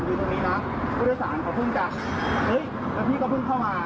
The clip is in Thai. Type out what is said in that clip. ที่พี่ควรทำสิ่งแรกน่ะ